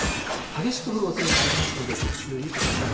激しく降るおそれがありますので、ご注意ください。